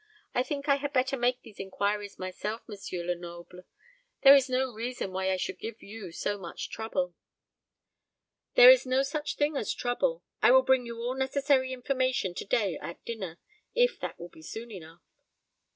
I think I had better make these inquiries myself, M. Lenoble. There is no reason why I should give you so much trouble." "There is no such thing as trouble. I will bring you all necessary information to day at dinner, if that will be soon enough."